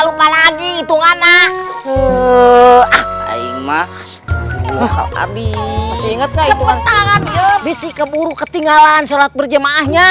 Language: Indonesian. lupa lagi itungan nah eh ah hai mas tuh abis inget inget keburu ketinggalan surat berjemaahnya